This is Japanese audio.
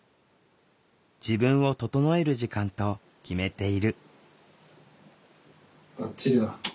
自分を整える時間と決めている。